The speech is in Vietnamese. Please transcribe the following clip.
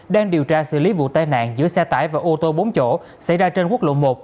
đang điều tra xử lý vụ tai nạn giữa xe tải và ô tô bốn chỗ xảy ra trên quốc lộ một